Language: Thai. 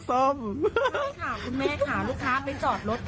ไปจอดรถตรงนู้นก่อนค่ะหนูก็ยืนรอค่ะแม่สามชั่วโมงหนูว่าเอ๊ย